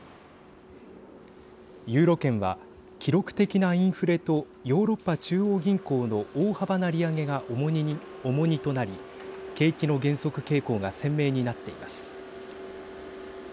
ユーロ圏は記録的なインフレとヨーロッパ中央銀行の大幅な利上げが重荷となり景気の減速傾向が鮮明になっています。